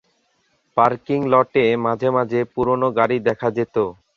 Parking লটে মাঝে মাঝে পুরোনো গাড়ি দেখা যেত।